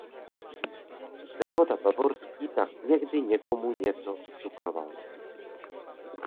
Vévoda bavorský tak někdy někomu něco ocukroval.